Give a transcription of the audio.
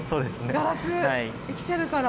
ガラス、生きてるから。